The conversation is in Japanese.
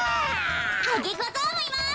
アゲ小僧もいます！